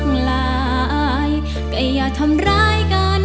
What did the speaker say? ก่อนนั้นมันก็ต้องล้วยแคบของเติมกัน